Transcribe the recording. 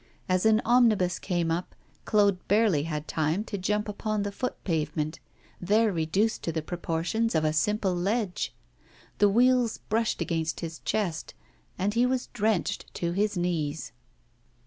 As an omnibus came up, Claude barely had time to jump upon the foot pavement, there reduced to the proportions of a simple ledge; the wheels brushed against his chest, and he was drenched to his knees.